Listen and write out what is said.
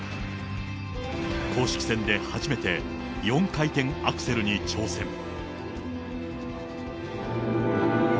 公式戦で初めて４回転アクセルに挑戦。